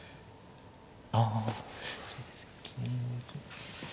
ああそうですよね。